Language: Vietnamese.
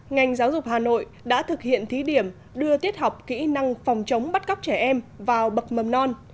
ngành giáo dục hà nội đã thực hiện thí điểm đưa tiết học kỹ năng phòng chống bắt cóc trẻ em vào bậc mầm non